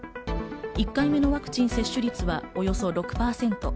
１回目のワクチン接種率は、およそ６％。